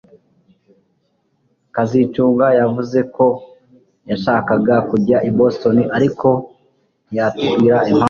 kazitunga yavuze ko yashakaga kujya i Boston ariko ntiyatubwira impamvu